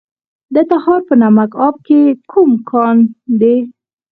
د تخار په نمک اب کې کوم کان دی؟